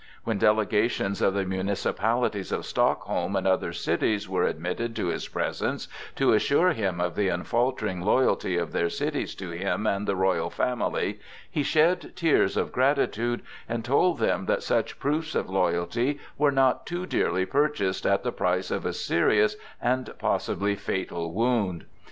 When delegations of the municipalities of Stockholm and other cities were admitted to his presence to assure him of the unfaltering loyalty of their cities to him and the royal family, he shed tears of gratitude, and told them that such proofs of loyalty were not too dearly purchased at the price of a serious and possibly fatal wound.